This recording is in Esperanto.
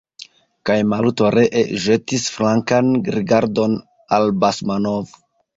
Kaj Maluto ree ĵetis flankan rigardon al Basmanov.